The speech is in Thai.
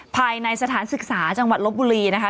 ภายในสถานศึกษาจังหวัดลบบุรีนะคะ